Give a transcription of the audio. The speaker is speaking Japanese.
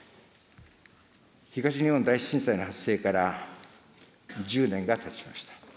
東日本大震災の発生から１０年がたちました。